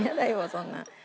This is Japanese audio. そんな。